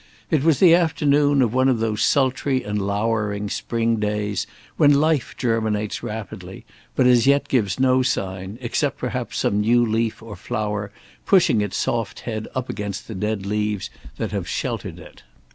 It was the afternoon of one of those sultry and lowering spring days when life germinates rapidly, but as yet gives no sign, except perhaps some new leaf or flower pushing its soft head up against the dead leaves that have sheltered it.